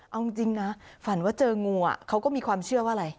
เอาจริงนะฝันว่าเจองูเขาก็มีความเชื่อว่าอะไร